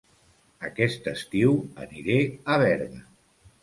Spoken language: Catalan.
Aquest estiu aniré a Berga